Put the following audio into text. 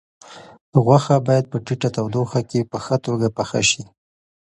غوښه باید په ټیټه تودوخه کې په ښه توګه پخه شي.